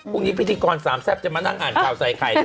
พรุ่งนี้พีชกรสามแซ่บจะมานั่งอ่านเก่าสายไข่ด้วยนะ